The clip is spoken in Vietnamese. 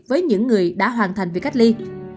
với những người đã hoàn thành việc cách ly